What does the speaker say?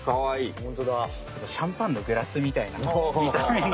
シャンパンのグラスみたいなみための。